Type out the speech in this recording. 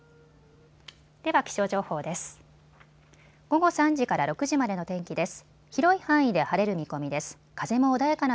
では気象情報です。